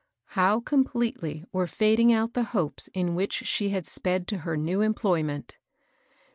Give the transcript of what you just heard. How com pletely were fading out the hopes in which she had sped to her new employment